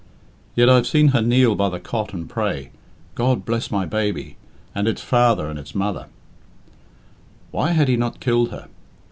"Yet I've seen her kneel by the cot and pray, 'God bless my baby, and its father and its mother' " Why had he not killed her?